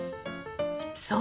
そう！